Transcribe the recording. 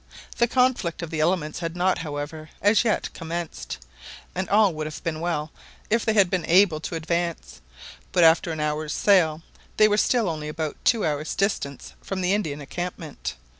The conflict of the elements had not, however, as yet commenced; and all would have been well if they bad been able to advance, but after an hour's sail they were still only about two hours' distance from the Indian encampment.